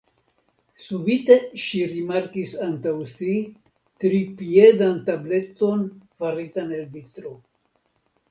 Subite ŝi rimarkis antaŭ si tripiedan tableton faritan el vitro.